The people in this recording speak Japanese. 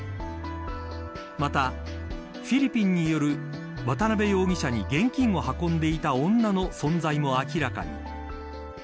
またフィリピンにいる渡辺容疑者に現金を運んでいた女の存在も明らかに。